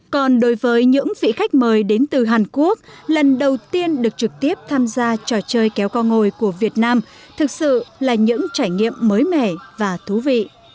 còn đối với những vị khách mời đến từ hàn quốc lần đầu tiên được trực tiếp tham gia trò chơi kéo co ngồi của việt nam thực sự là những trải nghiệm mới mẻ và thú vị